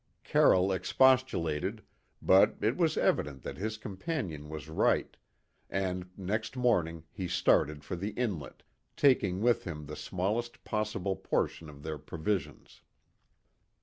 Carroll expostulated; but it was evident that his companion was right, and next morning he started for the inlet, taking with him the smallest possible portion of their provisions.